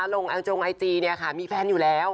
ลงอังจงไอจีมีแฟนอยู่แล้ว